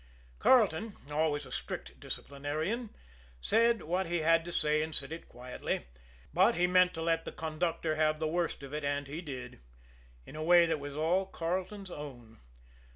Carleton, always a strict disciplinarian, said what he had to say and said it quietly; but he meant to let the conductor have the worst of it, and he did in a way that was all Carleton's own.